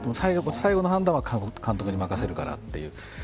最後の判断は監督に任せるからという。